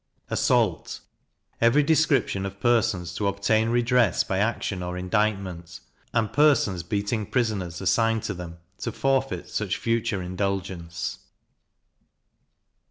Assault. Every description of persons to obtain redress by action or indictment; and persons beating prisoners assigned them, to forfeit such future indulgence.